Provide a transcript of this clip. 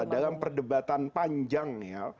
dalam perdebatan panjang